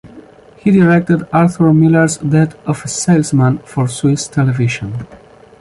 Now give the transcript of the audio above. He directed Arthur Miller’s “Death of a Salesman” for Swiss television.